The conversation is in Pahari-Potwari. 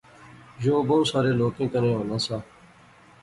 یو بہوں سارے لوکیں کنے ہونا سا